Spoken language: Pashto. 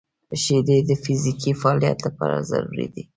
• شیدې د فزیکي فعالیت لپاره ضروري دي.